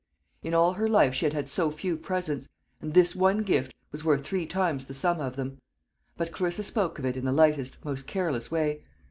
In all her life she had had so few presents; and this one gift was worth three times the sum of them. But Clarissa spoke of it in the lightest, most careless way.